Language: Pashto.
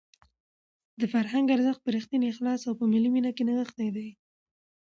د فرهنګ ارزښت په رښتیني اخلاص او په ملي مینه کې نغښتی دی.